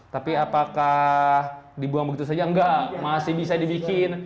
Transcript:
tapi apakah dibuang begitu saja nggak masih bisa dibikin